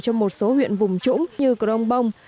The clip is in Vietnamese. cho một số huyện vùng trũng như cổ đông bông